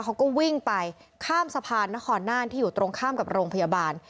เขาก็วิ่งไปข้ามสะพานนครน่านที่อยู่ตรงข้ามกับโรงพยาบาล